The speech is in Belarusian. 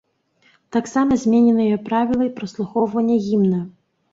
Таксама змененыя правілы праслухоўвання гімна.